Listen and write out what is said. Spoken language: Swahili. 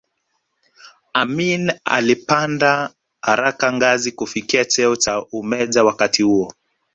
Amin alipanda haraka ngazi kufikia cheo cha umeja wakati huo